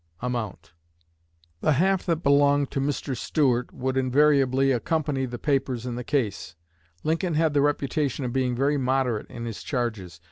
$ The half that belonged to Mr. Stuart would invariably accompany the papers in the case. Lincoln had the reputation of being very moderate in his charges.